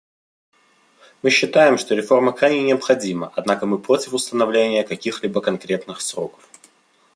Мы считаем, что реформа крайне необходима, однако мы против установления каких-либо конкретных сроков.